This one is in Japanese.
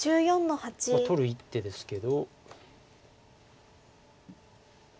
取る一手ですけど。